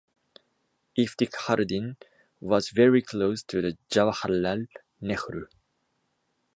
Iftikharuddin was very close to Jawaharlal Nehru.